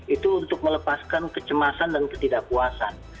itu untuk melepaskan kecemasan dan ketidakpuasan